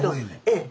ええ。